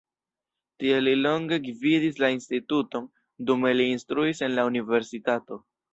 Tie li longe gvidis la instituton, dume li instruis en la universitato.